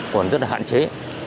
cũng rất là hạn chế